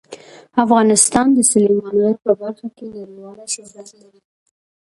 افغانستان د سلیمان غر په برخه کې نړیوال شهرت لري.